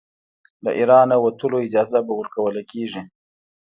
له اېرانه وتلو اجازه به ورکوله کیږي.